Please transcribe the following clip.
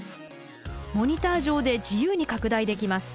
モニター上で自由に拡大できます。